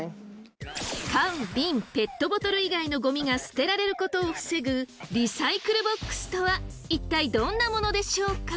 缶・ビン・ペットボトル以外のゴミが捨てられることを防ぐリサイクルボックスとは一体どんなものでしょうか？